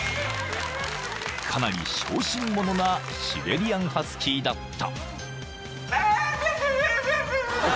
［かなり小心者なシベリアンハスキーだった］